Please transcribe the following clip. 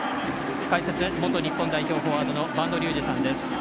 解説、元日本代表フォワードの播戸竜二さんです。